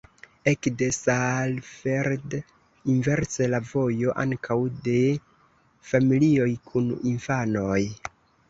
Ekde Saalfeld inverse la vojo ankaŭ de familioj kun infanoj.